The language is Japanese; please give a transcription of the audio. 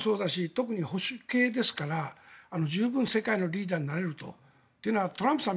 特に保守系ですから十分世界のリーダーになれると。というのはトランプさん